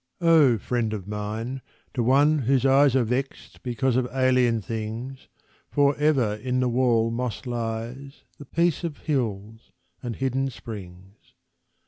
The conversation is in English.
Oh, friend of mine, to one whose eyes Are vexed because of alien things, For ever in the wall moss lies The peace of hills and hidden springs.